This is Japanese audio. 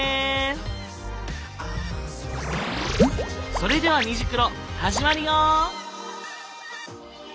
それでは「虹クロ」始まるよ！